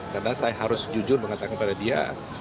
karena saya harus jujur mengatakan kepada dia